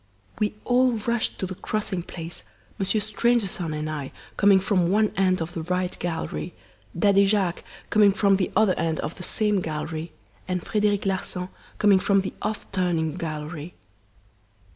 We all rushed to the crossing place Monsieur Stangerson and I coming from one end of the right gallery, Daddy Jacques coming from the other end of the same gallery, and Frederic Larsan coming from the 'off turning' gallery.